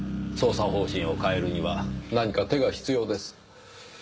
捜査方針を変えるには何か手が必要です。